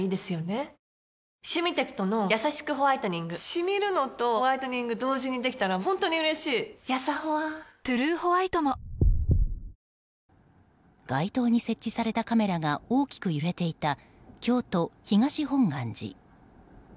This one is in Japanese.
シミるのとホワイトニング同時にできたら本当に嬉しいやさホワ「トゥルーホワイト」も街頭に設置されたカメラが大きく揺れていた京都・東本願寺。